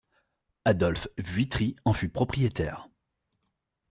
Adolphe Vuitry en fut propriétaire.